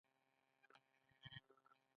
ایا زه اوس موټر چلولی شم؟